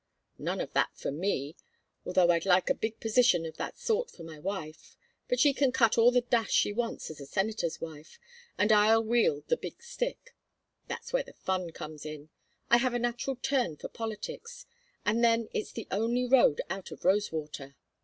None of that for me, although I'd like a big position of that sort for my wife. But she can cut all the dash she wants as a senator's wife, and I'll wield the big stick. That's where the fun comes in. I have a natural turn for politics, and then it's the only road out of Rosewater.